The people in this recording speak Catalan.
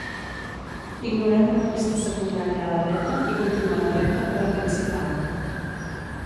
Ignorem una pista secundària a la dreta i continuem recte per la principal.